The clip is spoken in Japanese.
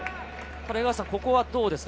ここはどうですか？